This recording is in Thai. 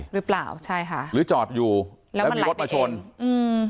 หรือเปล่าใช่ค่ะหรือจอดอยู่แล้วแล้วมีรถมาชนอืม